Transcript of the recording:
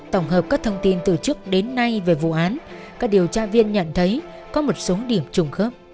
tổng hợp các thông tin từ trước đến nay về vụ án các điều tra viên nhận thấy có một số điểm trùng khớp